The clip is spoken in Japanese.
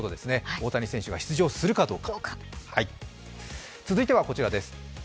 大谷選手が出場するかどうか。